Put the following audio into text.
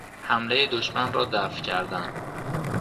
حملهی دشمن را دفع کردن